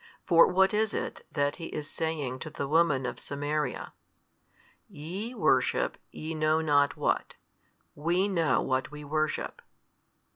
For what is it that He is saying to the woman of Samaria? YE worship ye know not what, WE know what we worship.